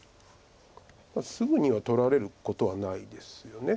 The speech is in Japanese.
すぐには取られることはないですよね。